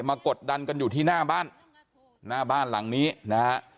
กดดันกันอยู่ที่หน้าบ้านหน้าบ้านหลังนี้นะฮะ